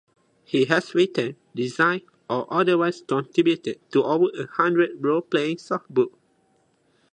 He has written, designed, or otherwise contributed to over a hundred role-playing sourcebooks.